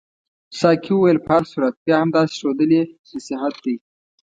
ساقي وویل په هر صورت بیا هم داسې ښودل یې نصیحت دی.